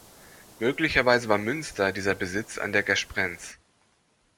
Möglicherweise war Münster dieser Besitz an der Gersprenz.